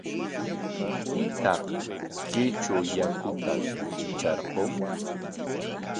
¿Pitaq kaytraw yaku hitrarqun?